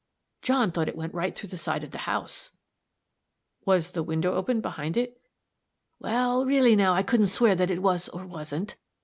John thought it went right through the side of the house." "Was the window open behind it?" "Wal, really now, I wouldn't swear that it was, or wasn't.